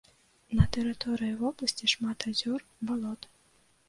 На тэрыторыі вобласці шмат азёр, балот.